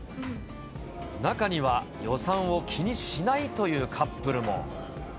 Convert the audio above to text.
中には、予算を気にしないというカップルも。